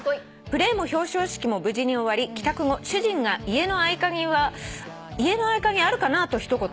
プレーも表彰式も無事に終わり帰宅後主人が『家の合鍵あるかな？』と一言」